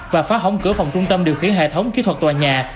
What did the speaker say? và phá hỏng cửa phòng trung tâm điều khiển hệ thống kỹ thuật tòa nhà